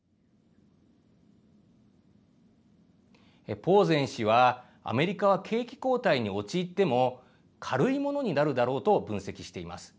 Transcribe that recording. ポーゼン氏は、アメリカは景気後退に陥っても、軽いものになるだろうと分析しています。